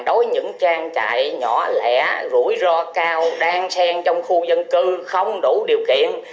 đối với những trang trại nhỏ lẻ rủi ro cao đan sen trong khu dân cư không đủ điều kiện